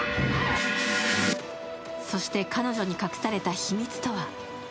そして、彼女に隠された秘密とは？